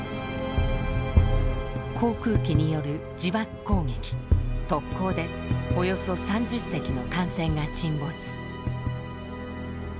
航空機による自爆攻撃・特攻でおよそ３０隻の艦船が沈没。